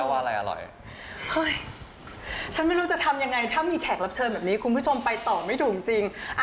อ้าอยชั้นไม่รู้จะทำยังไงถ้ามีแขกรับเชิญคุณผู้ชมไปต่อไม่ถูกจริง